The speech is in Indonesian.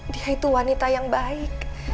dia itu wanita yang baik